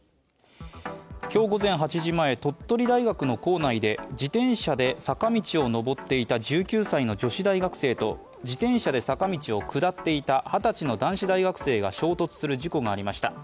今日午前８時前、鳥取大学の構内で自転車で坂道を上っていた１９歳の女子大学生と自転車で坂道を下っていた２０歳の男子大学生が衝突する事故がありました。